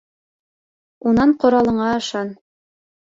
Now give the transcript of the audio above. Унан ҡоралыңа ышан.